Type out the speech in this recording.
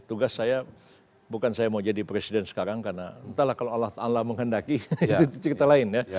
tugas saya bukan saya mau jadi presiden sekarang karena entahlah kalau allah menghendaki itu cerita lain ya